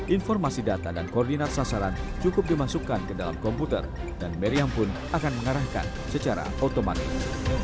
informasi data dan koordinat sasaran cukup dimasukkan ke dalam komputer dan meriam pun akan mengarahkan secara otomatis